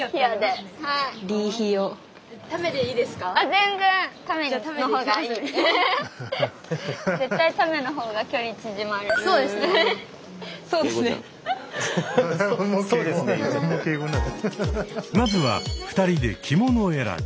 全然まずは２人で着物選び。